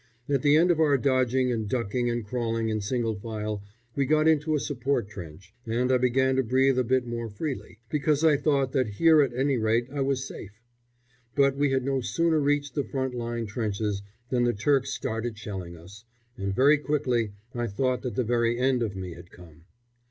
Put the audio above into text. At the end of our dodging and ducking and crawling in single file we got into a support trench, and I began to breathe a bit more freely, because I thought that here at any rate I was safe. But we had no sooner reached the front line trenches than the Turks started shelling us, and very quickly I thought that the very end of me had come.